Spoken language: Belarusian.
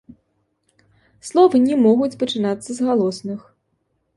Словы не могуць пачынацца галосных.